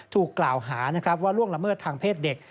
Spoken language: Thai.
ถูกกล่าวหาว่าร่วงละเมิดทางเพศเด็ก